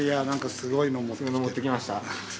すごいの持ってきました。